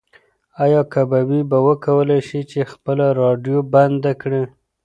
ایا کبابي به وکولی شي چې خپله راډیو بنده کړي؟